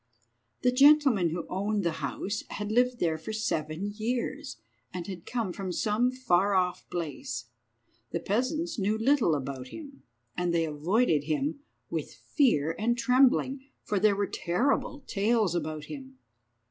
The gentleman who owned the house had lived there for seven years, and had come from some far off place. The peasants knew little about him, and they avoided him with fear and trembling, for there were terrible tales about him.